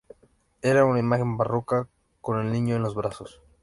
Era una imagen barroca, con el niño en los brazos.